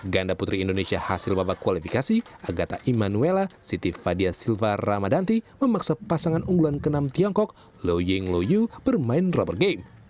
ganda putri indonesia hasil babak kualifikasi agatha emmanuela siti fadia silva ramadanti memaksa pasangan unggulan ke enam tiongkok leu ying lo yu bermain rubber game